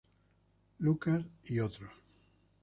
Lucas "et al.